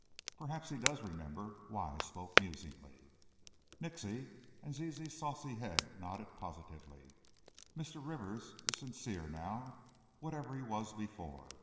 "Perhaps he does remember," Wise spoke musingly. "Nixy!" and Zizi's saucy head nodded positively; "Mr. Rivers is sincere now, whatever he was before.